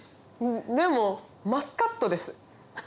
でもマスカットです。